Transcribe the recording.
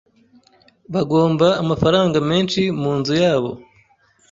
Bagomba amafaranga menshi munzu yabo.